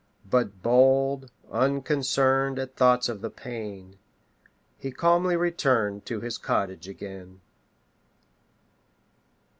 But bold, unconcern'd At thoughts of the pain, He calmly return'd To his cottage again.